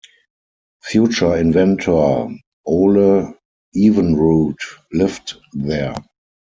Future inventor Ole Evenrude lived there.